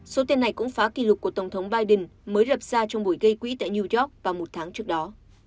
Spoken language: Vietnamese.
số tiền này cũng phá kỷ lục của tổng thống biden mới đập ra trong buổi gây quỹ tại new york vào một tháng trước đó